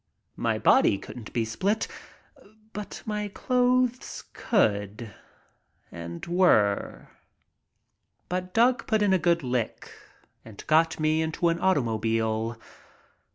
My body couldn't be split. But my clothes could — and were. But Doug put in a good lick and got me into an auto mobile.